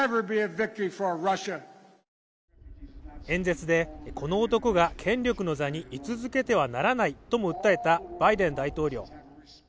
演説で、この男が権力の座に居続けてはならないとも訴えたバイデン大統領。